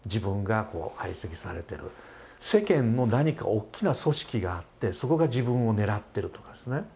世間の何か大きな組織があってそこが自分を狙ってるとかですね